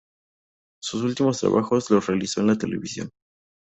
Sus últimos trabajos los realizó en la televisión.